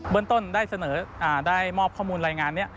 เมืองต้นได้เสนอได้มอบข้อมูลรายงานนี้